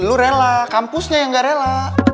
lu rela kampusnya yang gak rela